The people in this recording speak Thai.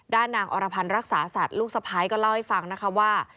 นางอรพันธ์รักษาสัตว์ลูกสะพ้ายก็เล่าให้ฟังนะคะว่า